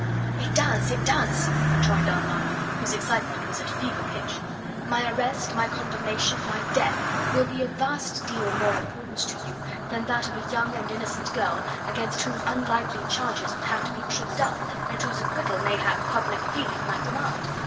"It does! it does!" rejoined Armand, whose excitement was at fever pitch. "My arrest, my condemnation, my death, will be of vast deal more importance to you than that of a young and innocent girl against whom unlikely charges would have to be tricked up, and whose acquittal mayhap public feeling might demand.